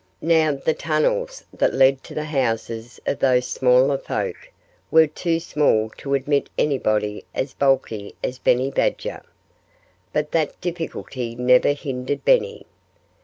Now, the tunnels that led to the houses of those smaller folk were too small to admit anybody as bulky as Benny Badger. But that difficulty never hindered Benny.